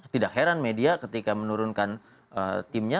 tidak heran media ketika menurunkan timnya